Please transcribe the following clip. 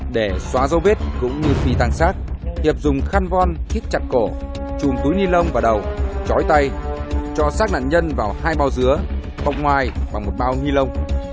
để xóa dấu vết cũng như phi tăng xác hiệp dùng khăn von kít chặt cổ chùm túi ni lông vào đầu chói tay cho xác nạn nhân vào hai bao dứa bọc ngoài vào một bao ni lông